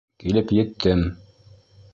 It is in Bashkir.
Килеп еттем!